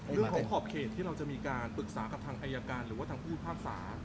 ขอบเขตที่เราจะมีการปรึกษากับทางอายการหรือว่าทางผู้พิพากษา